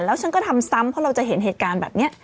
แล้วฉันก็ทำซ้ำเพราะเราจะเห็นเหตุการณ์แบบนี้